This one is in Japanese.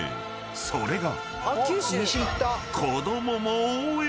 ［それが］